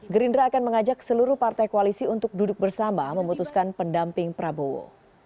gerindra akan mengajak seluruh partai koalisi untuk duduk bersama memutuskan pendamping prabowo